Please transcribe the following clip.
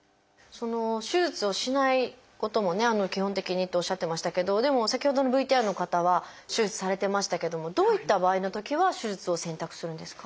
手術をしないこともね「基本的に」っておっしゃってましたけどでも先ほどのＶＴＲの方は手術されてましたけどもどういった場合のときは手術を選択するんですか？